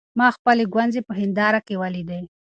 ما خپلې ګونځې په هېنداره کې وليدې.